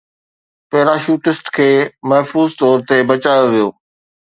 parachutist کي محفوظ طور تي بچايو ويو